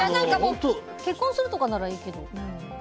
結婚するとかならいいけど。